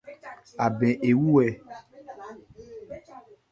Abɛ ɛ wu ɛ ?